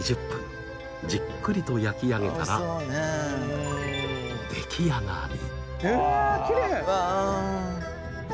じっくりと焼き上げたら出来上がり！